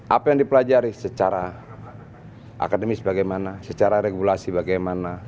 apa yang dipelajari secara akademis bagaimana secara regulasi bagaimana